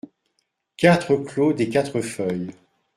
quatre clos des Quatre Feuilles